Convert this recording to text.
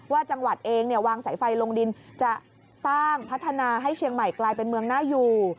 จังหวัดเองวางสายไฟลงดินจะสร้างพัฒนาให้เชียงใหม่กลายเป็นเมืองน่าอยู่